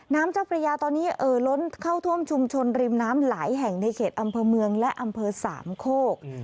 น้ำเจ้าพระยาตอนนี้เอ่อล้นเข้าท่วมชุมชนริมน้ำหลายแห่งในเขตอำเภอเมืองและอำเภอสามโคก